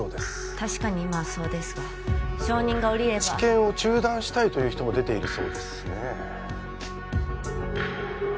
確かに今はそうですが承認が下りれば治験を中断したいという人も出ているそうですね